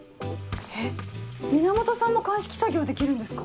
えっ源さんも鑑識作業できるんですか？